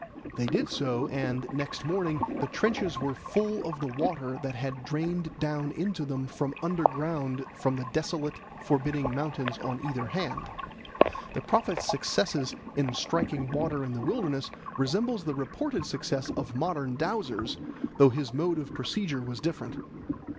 They did so, and next morning the trenches were full of the water that had drained down into them underground from the desolate, forbidding mountains on either hand. The prophet's success in striking water in the wilderness resembles the reported success of modern dowsers, though his mode of procedure was different.